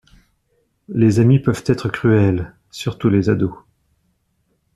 Les amis peuvent être cruels, surtout les ados.